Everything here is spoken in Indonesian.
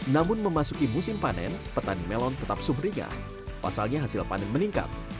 namun memasuki musim panen petani melon tetap suhringah pasalnya hasil panen meningkat